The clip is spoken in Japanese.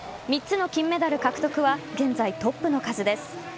３つの金メダル獲得は現在トップの数です。